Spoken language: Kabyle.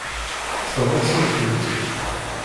Teṭṭfem-asent-tent-id.